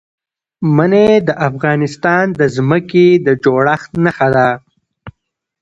منی د افغانستان د ځمکې د جوړښت نښه ده.